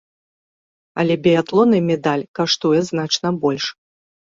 Але біятлонны медаль каштуе значна больш.